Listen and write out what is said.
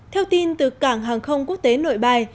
theo tin từ cảng hàng không quốc tế nội bài